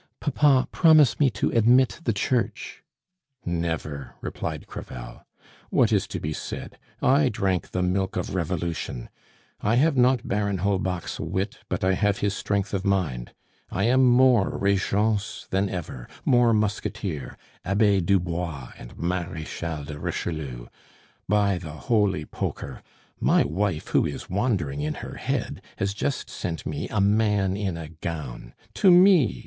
"Papa, promise me to admit the Church " "Never," replied Crevel. "What is to be said? I drank the milk of Revolution; I have not Baron Holbach's wit, but I have his strength of mind. I am more Regence than ever, more Musketeer, Abbe Dubois, and Marechal de Richelieu! By the Holy Poker! My wife, who is wandering in her head, has just sent me a man in a gown to me!